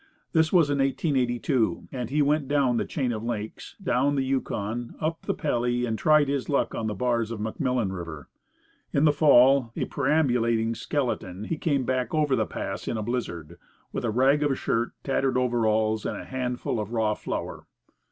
This was in 1882, and he went down the chain of lakes, down the Yukon, up the Pelly, and tried his luck on the bars of McMillan River. In the fall, a perambulating skeleton, he came back over the Pass in a blizzard, with a rag of shirt, tattered overalls, and a handful of raw flour.